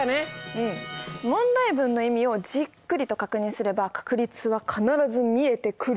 うん問題文の意味をじっくりと確認すれば確率は必ず見えてくる。